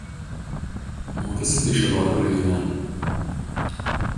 Mokėsi Kaišiadorių raj.